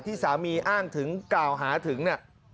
ที่สามีอ้างถึงกล่าวหาถึงเนี่ย